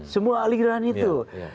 semua aliran itu